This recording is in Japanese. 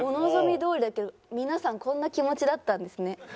お望みどおりだけど皆さんこんな気持ちだったんですね。